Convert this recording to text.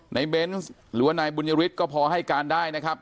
เบนส์หรือว่านายบุญยฤทธิก็พอให้การได้นะครับ